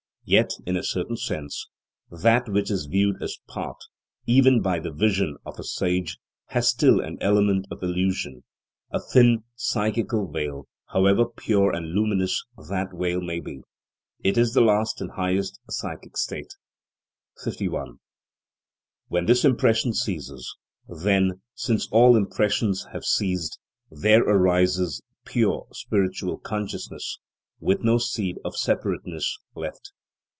Yet, in a certain sense, that which is viewed as part, even by the vision of a sage, has still an element of illusion, a thin psychical veil, however pure and luminous that veil may be. It is the last and highest psychic state. 51. When this impression ceases, then, since all impressions have ceased, there arises pure spiritual consciousness, with no seed of separateness left.